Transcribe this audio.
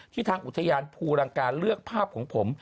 ทางอุทยานภูรังการเลือกภาพของผม